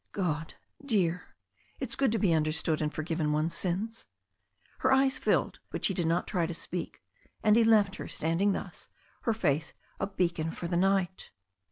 "Godt dear. It is good to be understood and forgiven one's sins." Her eyes filled, but she did not try to speak, and he left her, standing thus, her face a beacon for the night.